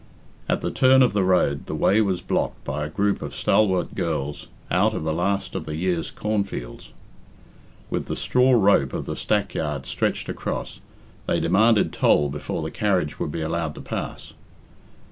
At the turn of the road the way was blocked by a group of stalwart girls out of the last of the year's cornfields. With the straw rope of the stackyard stretched across, they demanded toll before the carriage would be allowed to pass.